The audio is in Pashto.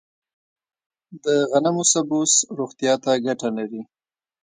د غنمو سبوس روغتیا ته ګټه لري.